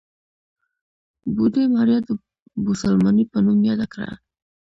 بوډۍ ماريا د بوسلمانې په نوم ياده کړه.